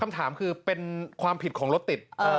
คำถามคือเป็นความผิดของรถติด